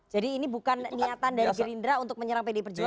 jadi ini bukan niatan dari gerindra untuk menyerang pdm perjuangan